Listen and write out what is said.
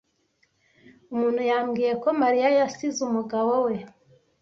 Umuntu yambwiye ko Mariya yasize umugabo we.